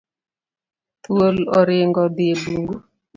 Thuol oringo odhi e bungu.